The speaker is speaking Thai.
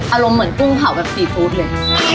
อารมณ์เหมือนกุ้งเผาแบบซีฟู้ดเลย